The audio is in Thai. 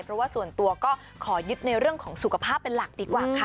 เพราะว่าส่วนตัวก็ขอยึดในเรื่องของสุขภาพเป็นหลักดีกว่าค่ะ